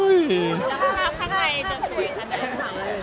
แล้วภาพข้างในจะสวยคะ